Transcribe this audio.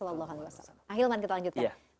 akhil man kita lanjutkan